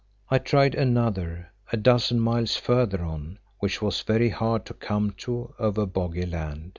I tried another, a dozen miles further on, which was very hard to come to over boggy land.